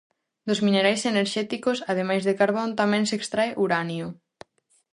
Dos minerais enerxéticos, ademais de carbón, tamén se extrae uranio.